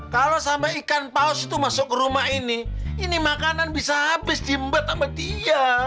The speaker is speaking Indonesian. kalau sama ikan paus tuh masuk ke rumah ini ini makanan bisa habis di mbet sama dia